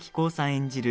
演じる